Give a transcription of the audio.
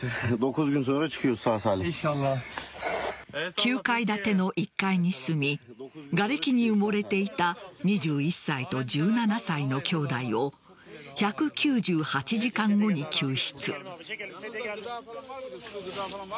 ９階建ての１階に住みがれきに埋もれていた２１歳と１７歳の兄弟を１９８時間後に救出。